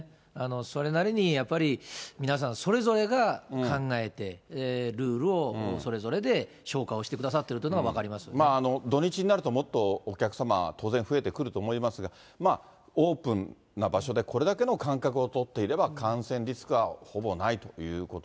それなりにやっぱり皆さん、それぞれが考えて、ルールをそれぞれで消化をしてくださってるというのが分かります土日になると、もっとお客様、当然増えてくると思いますが、まあ、オープンな場所で、これだけの間隔を取っていれば、感染リスクはほぼないということ